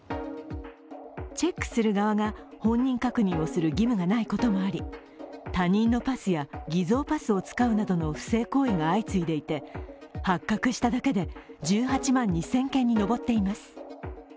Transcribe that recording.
チェックする側が本人確認をする義務がないこともあり他人のパスや偽造パスを使うなどの不正行為が相次いでいて、発覚しただけで１８万２０００件に上っています。